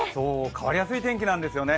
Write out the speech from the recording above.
変わりやすい天気なんですよね。